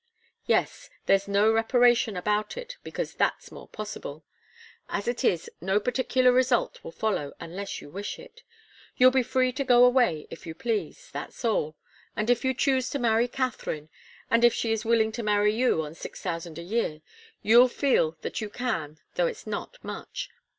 "Yes. There's no reparation about it, because that's more possible. As it is, no particular result will follow unless you wish it. You'll be free to go away, if you please, that's all. And if you choose to marry Katharine, and if she is willing to marry you on six thousand a year, you'll feel that you can, though it's not much.